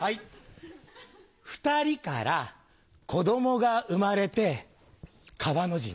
二人から子供が生まれて川の字に。